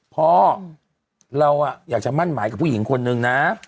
พ่อเราอยากจะมั่นหมายกับผู้หญิงคนนึงนะ